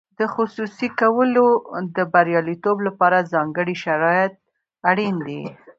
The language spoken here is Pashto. د خصوصي کولو د بریالیتوب لپاره ځانګړي شرایط اړین دي.